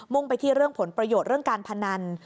่งไปที่เรื่องผลประโยชน์เรื่องการพนัน